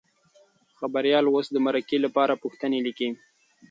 خبریال اوس د مرکې لپاره پوښتنې لیکي.